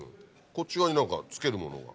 こっち側に何かつけるものが。